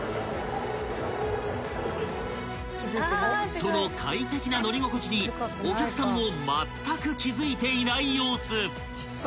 ［その快適な乗り心地にお客さんもまったく気付いていない様子］